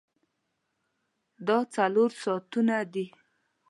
دا څلور ساعتونه دي.